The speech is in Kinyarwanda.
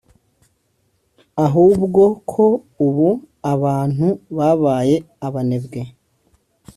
ahubwo ko ubu abantu babaye abanebwe